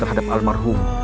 terjadi terhadap almarhum